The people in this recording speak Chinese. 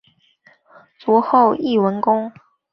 卒后谥文恭。